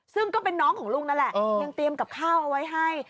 ซึ่งก็เป็นน้องของลุงนั่นแหละยังเตรียมกับข้าวเอาไว้ให้